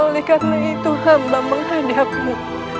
oleh karena itu amba menghadapmu